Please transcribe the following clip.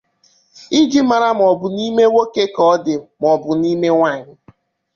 iji mara ma ọ bụ ime nwoke ka ọ dị ma ọ bụ ime nwaanyị